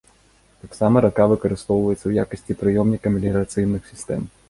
Таксама рака выкарыстоўваецца ў якасці прыёмніка меліярацыйных сістэм.